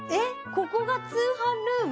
ここが通販ルーム？